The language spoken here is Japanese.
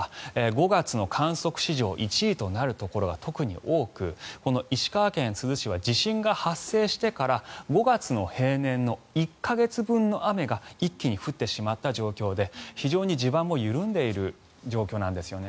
５月の観測史上１位となるところが特に多く石川県珠洲市は地震が発生してから５月の平年に１か月分の雨が一気に降ってしまった状況で非常に地盤も緩んでいる状況なんですよね。